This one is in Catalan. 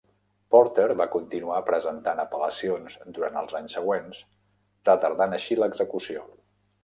Porter va continuar presentant apel·lacions durant els anys següents, retardant així l'execució.